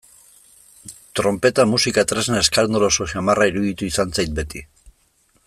Tronpeta musika tresna eskandaloso samarra iruditu izan zait beti.